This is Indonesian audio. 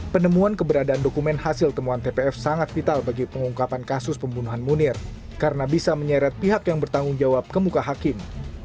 penemuan keberadaan dokumen hasil temuan tpf sangat vital bagi pengungkapan kasus pembunuhan munir karena bisa menyeret pihak yang bertanggung jawab ke muka hakim